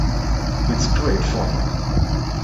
It's great fun.